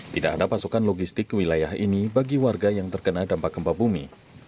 tidak ada pasokan logistik ke wilayah ini bagi warga yang terkena dampak gempa bumi